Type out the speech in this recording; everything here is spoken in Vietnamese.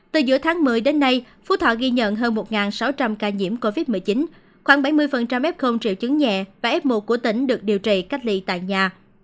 từ giữa tháng một mươi đến nay phú thọ ghi nhận hơn một sáu trăm linh ca nhiễm covid một mươi chín khoảng bảy mươi f triệu chứng nhẹ và f một của tỉnh được điều trị cách ly tại nhà